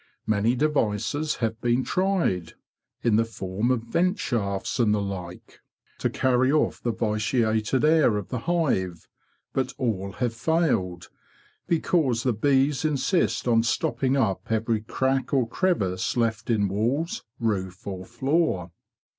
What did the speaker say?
Many devices have been tried, in the form of vent shafts and the like, to carry off the vitiated air of the hive, but all have failed, because the bees insist on stopping up every crack or crevice left in walls, roof, or floor.